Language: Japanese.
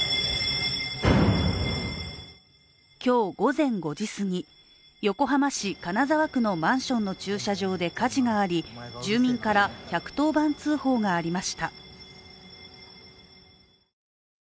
今日午前５時すぎ、横浜市金沢区のマンションの駐車場で火事があり住民から１１０番通報がありました。